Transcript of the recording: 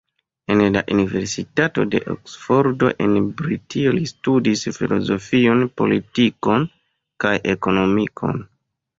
En la universitato de Oksfordo en Britio li studis filozofion, politikon kaj ekonomikon.